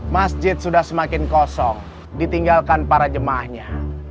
masjid sudah semakin kosong ditinggalkan para jemaahnya